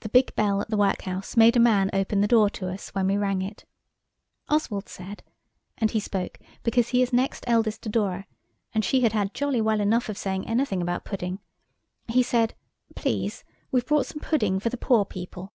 The big bell at the workhouse made a man open the door to us, when we rang it. Oswald said (and he spoke because he is next eldest to Dora, and she had had jolly well enough of saying anything about pudding)–he said– "Please we've brought some pudding for the poor people."